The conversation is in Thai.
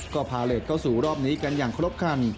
ก็พาเลสเข้าสู่รอบนี้กันอย่างครบคัน